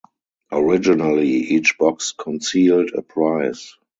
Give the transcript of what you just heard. Originally, each box concealed a prize.